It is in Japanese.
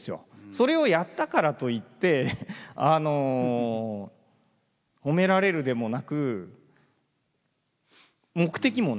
それをやったからといって褒められるでもなく目的もない。